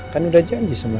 kan udah janji semuanya